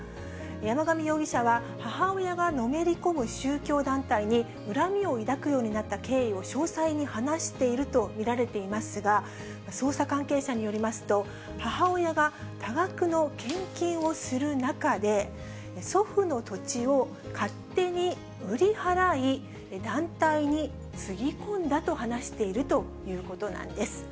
山上容疑者は、母親がのめり込む宗教団体に恨みを抱くようになった経緯を詳細に話していると見られていますが、捜査関係者によりますと、母親が多額の献金をする中で、祖父の土地を勝手に売り払い、団体につぎ込んだと話しているということなんです。